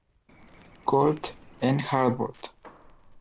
Colt, en Hartford.